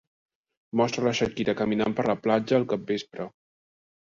Mostra la Shakira caminant per la platja al capvespre.